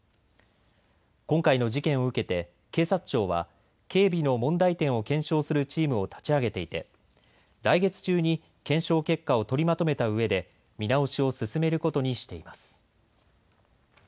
今回の事件を受けて警察庁は警備の問題点を検証するチームを立ち上げていて来月中に検証結果を取りまとめたうえで見直しを進めることにしています。